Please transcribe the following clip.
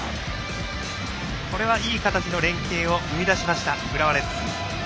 これはいい形の連係を生み出しました、浦和レッズ。